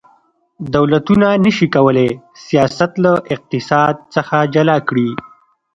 دولتونه نشي کولی سیاست له اقتصاد څخه جلا کړي